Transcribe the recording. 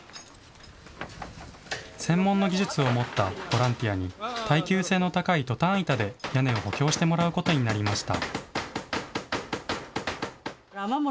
専門の技術を持ったボランティアに耐久性の高いトタン板で屋根を補強してもらうことになりました。